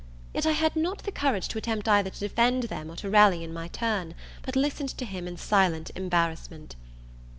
Yet I had not the courage to attempt either to defend them or to rally in my turn; but listened to him in silent embarrassment.